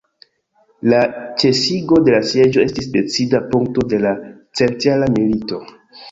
La ĉesigo de la sieĝo estis decida punkto de la centjara milito.